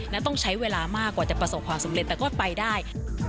และต้องใช้เวลามากกว่าจะประสบความสำเร็จแต่ก็ไปได้